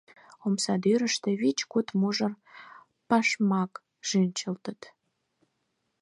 Омсадӱрыштӧ вич-куд мужыр пашмак шинчылтыт.